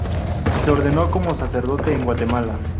Se ordenó como sacerdote en Guatemala.